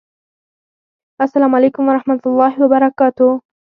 السلام علیکم ورحمة الله وبرکاته!